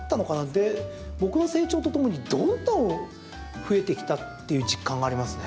で、僕の成長とともにどんどん増えてきたっていう実感がありますね。